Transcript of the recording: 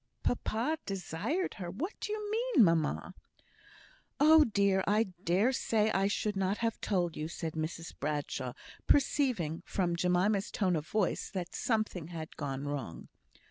"Papa desired her! What do you mean, mamma?" "Oh, dear! I dare say I should not have told you," said Mrs Bradshaw, perceiving, from Jemima's tone of voice, that something had gone wrong.